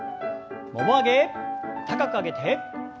もも上げ高く上げて。